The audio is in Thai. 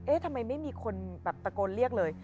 เอ๊ะทำไมไม่มีคนตะโกนเรียกเลย